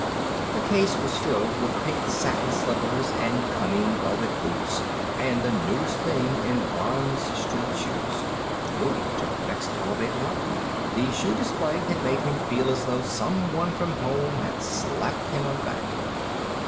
The case was filled with pink satin slippers and cunning velvet boots, and the newest thing in bronze street shoes. Louie took the next elevator up. The shoe display had made him feel as though some one from home had slapped him on the back.